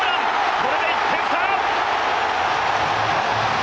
これで１点差。